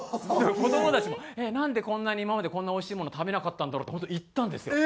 子どもたちも「なんでこんなに今までこんなおいしいもの食べなかったんだろう？」って本当言ったんですよ。